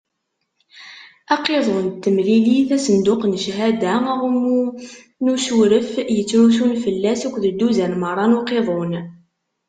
Aqiḍun n temlilit, asenduq n cchada, aɣummu n usuref yettrusun fell-as akked dduzan meṛṛa n uqiḍun.